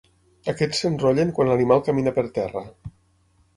Aquests s'enrotllen quan l'animal camina per terra.